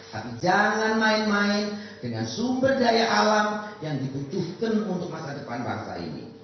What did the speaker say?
tapi jangan main main dengan sumber daya alam yang dibutuhkan untuk masa depan bangsa ini